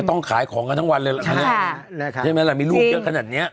ต้องขายของกันทั้งวันเลยหรอครับเพราะมีลูกเยอะขนาดเนี่ย